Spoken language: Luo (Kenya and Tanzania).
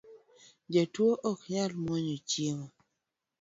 Jatu ok nyal mwonyo chiemo